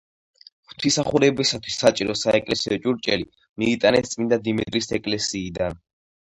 ღვთისმსახურებისათვის საჭირო საეკლესიო ჭურჭელი მიიტანეს წმინდა დიმიტრის ეკლესიიდან.